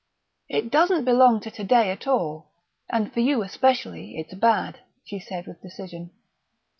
"It doesn't belong to to day at all, and for you especially it's bad," she said with decision.